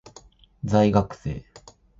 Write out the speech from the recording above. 在学生